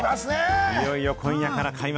いよいよ、今夜から開幕。